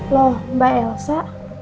loh mbak elsa